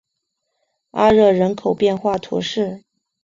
阿热人口变化图示